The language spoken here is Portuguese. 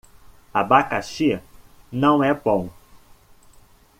Abacaxi não é bom